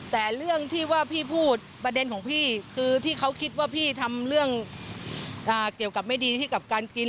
แต่เรื่องที่ว่าพี่พูดประเด็นของพี่คือที่เขาคิดว่าพี่ทำเรื่องเกี่ยวกับไม่ดีให้กับการกิน